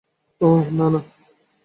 ওহ, না, না!